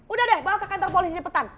udah deh bawa ke kantor polisi cepetan